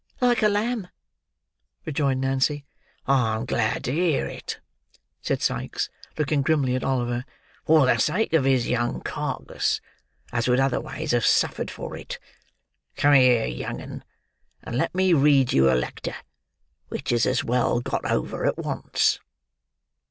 "Like a lamb," rejoined Nancy. "I'm glad to hear it," said Sikes, looking grimly at Oliver; "for the sake of his young carcase: as would otherways have suffered for it. Come here, young 'un; and let me read you a lectur', which is as well got over at once."